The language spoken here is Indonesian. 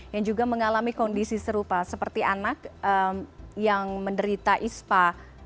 yang juga mengalami kondisi serupa seperti anak yang menderita ispa